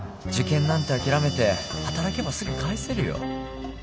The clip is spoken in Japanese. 受験なんて諦めて働けばすぐ返せるよ。